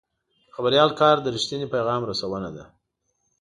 د خبریال کار د رښتیني پیغام رسونه ده.